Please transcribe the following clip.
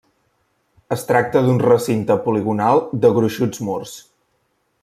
Es tracta d'un recinte poligonal de gruixuts murs.